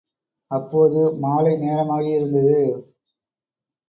அப்போது மாலை நேரமாகியிருந்தது.